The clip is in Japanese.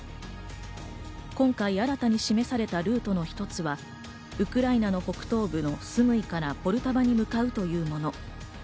今回、新たに示されたルートの一つは、ウクライナの北東部のスムイからポルタバに向かうというもの。